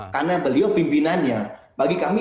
karena beliau pimpinannya bagi kami